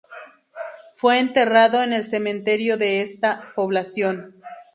Fue enterrado en el cementerio de esa población.